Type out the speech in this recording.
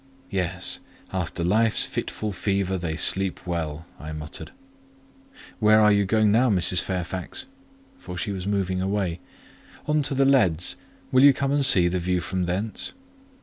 "Yes—'after life's fitful fever they sleep well,'" I muttered. "Where are you going now, Mrs. Fairfax?" for she was moving away. "On to the leads; will you come and see the view from thence?"